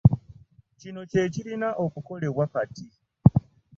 Kino kye kirina okukolebwa kati.